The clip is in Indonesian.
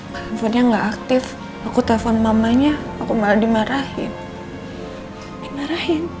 di awal ya nggak aktif aku telepon mamanya aku malah dimarahin